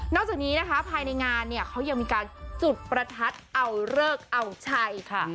จากนี้นะคะภายในงานเนี่ยเขายังมีการจุดประทัดเอาเลิกเอาชัยค่ะ